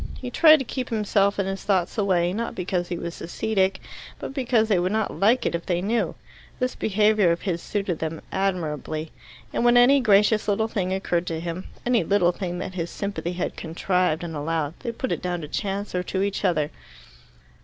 He tried to keep himself and his thoughts away, not because he was ascetic, but because they would not like it if they knew. This behaviour of his suited them admirably. And when any gracious little thing occurred to them any little thing that his sympathy had contrived and allowed they put it down to chance or to each other.